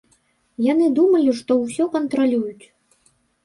Яны думалі, што ўсё кантралююць.